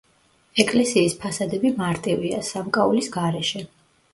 ეკლესიის ფასადები მარტივია, სამკაულის გარეშე.